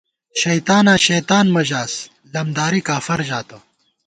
شیطاناں شیطان مہ ژاس لمداری کافَر ژاتہ